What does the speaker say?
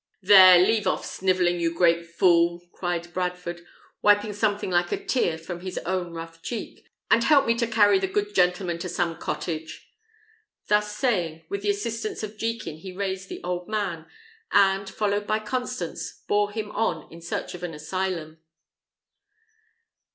"There, leave off snivelling, you great fool!" cried Bradford, wiping something like a tear from his own rough cheek, "and help me to carry the good gentleman to some cottage." Thus saying, with the assistance of Jekin he raised the old man, and, followed by Constance, bore him on in search of an asylum.